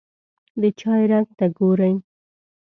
د چای رنګ ته ګوري.